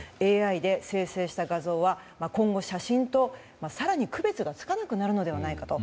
ＡＩで生成した画像は今後、写真と更に区別がつかなくなるのではないかと。